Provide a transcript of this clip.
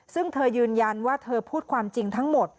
ซึ่งเธอยืนยันว่าเธอพูดความจริงทั้งหมด